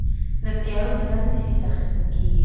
د طیارو د ناستې فیس اخیستل کیږي؟